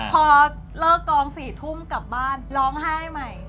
พอเลิกกอง๔ทุ่มกลับบ้านร้องไห้ใหม่